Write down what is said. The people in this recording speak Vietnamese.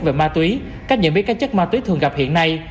về ma túy cách nhận biết các chất ma túy thường gặp hiện nay